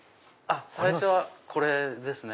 最初はこれですね。